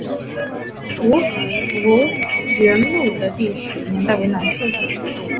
吴福源墓的历史年代为南宋。